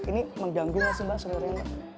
ini mengganggu gak sih mbak seluruhnya